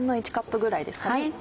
１／２カップぐらいですかね。